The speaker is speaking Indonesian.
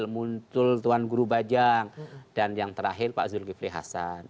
muncul tuan guru bajang dan yang terakhir pak zulkifli hasan